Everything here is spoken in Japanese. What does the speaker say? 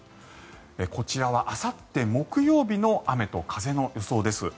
こちらは、あさって木曜日の雨と風の予想です。